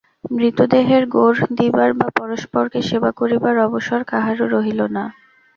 মৃতদেহের গোর দিবার বা পরস্পরকে সেবা করিবার অবসর কাহারও রহিল না।